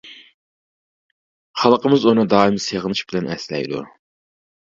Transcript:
خەلقىمىز ئۇنى دائىم سېغىنىش بىلەن ئەسلەيدۇ.